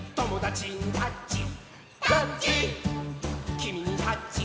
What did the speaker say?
「きみにタッチ」